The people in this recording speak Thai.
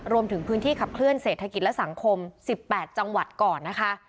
รวมถึงพื้นที่ขับเคลื่อเศรษฐกิจและสังคม๑๘จังหวัดก่อนนะคะ